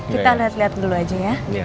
kita lihat lihat dulu aja ya